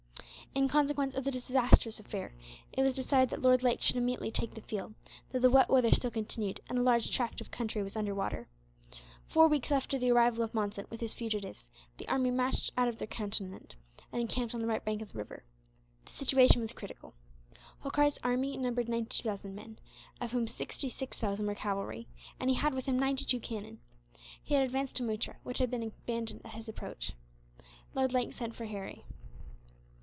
In consequence of this disastrous affair, it was decided that Lord Lake should immediately take the field; although the wet weather still continued, and a large tract of country was under water. Four weeks after the arrival of Monson, with his fugitives, the army marched out of their cantonment, and encamped on the right bank of the river. The situation was critical. Holkar's army numbered ninety two thousand men, of whom sixty six thousand were cavalry, and he had with him ninety two cannon. He had advanced to Muttra, which had been abandoned at his approach. Lord Lake sent for Harry.